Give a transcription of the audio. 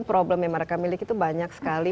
problem yang mereka miliki itu banyak sekali